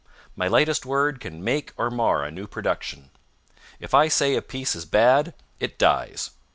My lightest word can make or mar a new production. If I say a piece is bad, it dies.